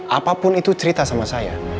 apapun itu cerita sama saya